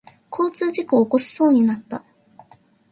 交通事故を起こしそうになった。